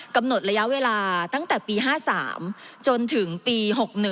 กำหนดระยะเวลาตั้งแต่ปี๕๓จนถึงปี๖๑